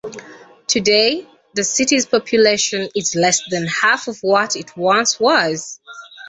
Today, the city's population is less than half of what it once was.